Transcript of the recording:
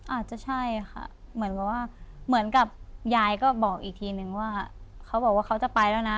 อาจจะใช่ค่ะเหมือนกับว่าเหมือนกับยายก็บอกอีกทีนึงว่าเขาบอกว่าเขาจะไปแล้วนะ